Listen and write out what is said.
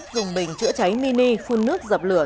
dùng bình chữa cháy mini phun nước dập lửa